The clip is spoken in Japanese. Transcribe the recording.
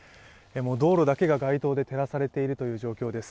道路だけが街灯で照らされているという状況です